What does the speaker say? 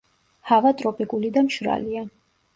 ჰავა ტროპიკული და მშრალია.